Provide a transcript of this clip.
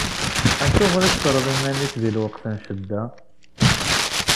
Acuɣer i teffreḍ iman-ik di lweqt n ccedda?